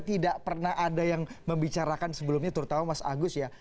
tidak pernah ada yang membicarakan sebelumnya terutama mas agus ya